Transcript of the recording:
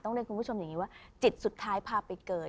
เรียนคุณผู้ชมอย่างนี้ว่าจิตสุดท้ายพาไปเกิด